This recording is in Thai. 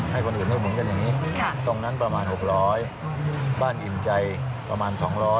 ให้คนอื่นได้หมุนกันอย่างนี้ตรงนั้นประมาณ๖๐๐บ้านอิ่มใจประมาณ๒๐๐